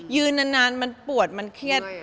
ยืนนานมันปวดมันเครียด